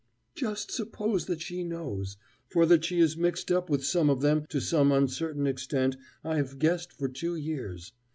Just suppose that she knows! For that she is mixed up with some of them to some uncertain extent I have guessed for two years.